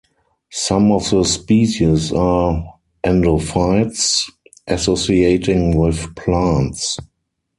Some of the species are endophytes–associating with plants.